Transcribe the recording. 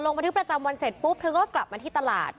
บันทึกประจำวันเสร็จปุ๊บเธอก็กลับมาที่ตลาด